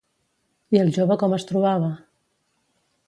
I el jove com es trobava?